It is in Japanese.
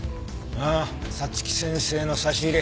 ああ早月先生の差し入れ。